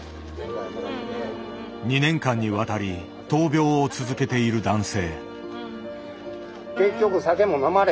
２年間にわたり闘病を続けている男性。